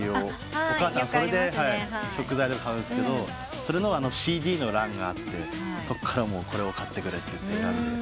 お母さんそれで食材を買うんですけどそれのＣＤの欄があってそっからこれを買ってくれと。